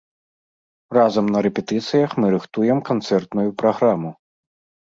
Разам на рэпетыцыях мы рыхтуем канцэртную праграму.